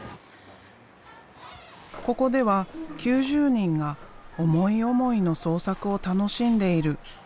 ここでは９０人が思い思いの創作を楽しんでいる。